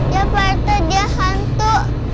ya pak rt dia hantu